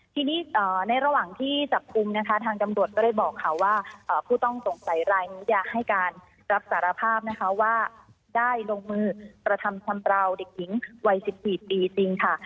ทีนี้ในระหว่างที่จับปุ่มทางกำรวจก็ได้บอกเขาว่าผู้ต้องตรงใส่รายนี้อยากให้การรับสารภาพว่าได้ลงมือประทำคำเปล่าเด็กหญิงวัยสิทธิ์ดีจริงค่ะ